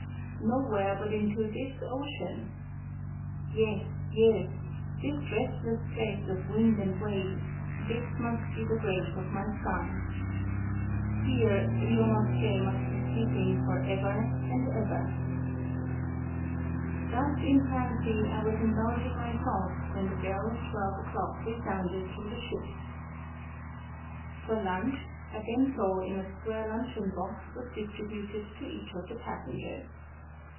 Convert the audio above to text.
Nowhere but into this ocean! Yes, yes, this restless place of wind and wave ; this must be the grave of my son ! Here Ryunosuke must be sleeping for ever and ever ... thus, in fancy, I was indulging my thoughts when the bell of 146 TSUGARU STRAIT twelve o'clock resounded through the ship. For lunch, a Bento in a square lunch eon box, was distributed to each of the passengers.